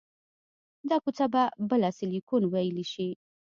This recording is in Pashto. دا کوڅه به بله سیلیکون ویلي شي